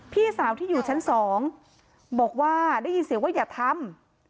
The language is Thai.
พี่สาวที่อยู่ชั้น๒บอกว่าได้ยินเสียงว่าอย่าทำ